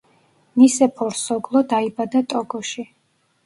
ნისეფორ სოგლო დაიბადა ტოგოში.